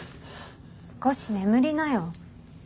少し眠りなよ。